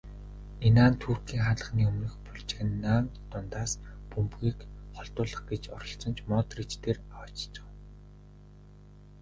Инан Туркийн хаалганы өмнөх бужигнаан дундаас бөмбөгийг холдуулах гэж оролдсон ч Модрич дээр авааччихав.